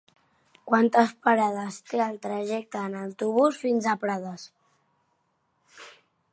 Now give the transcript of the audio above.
Quantes parades té el trajecte en autobús fins a Prades?